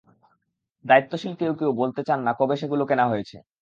দায়িত্বশীল কেউ বলতে চান না কবে সেগুলো কেনা হয়েছে।